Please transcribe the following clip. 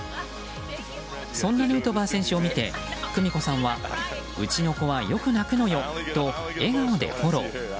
そんなヌートバー選手を見て久美子さんはうちの子はよく泣くのよと笑顔でフォロー。